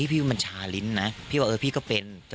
พี่ว่ามันชาลิ้นนะพี่ว่าเออพี่ก็เป็น